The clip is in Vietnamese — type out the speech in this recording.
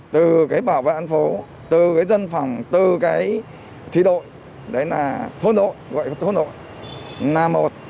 từ cái bảo vệ an phố từ cái dân phòng từ cái thị đội đấy là thôn đội gọi là thôn nội là một